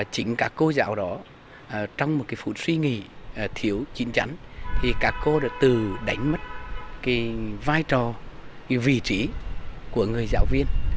chính các cô giáo đó trong một phút suy nghĩ thiếu chính chắn thì các cô đã từ đánh mất cái vai trò vị trí của người giáo viên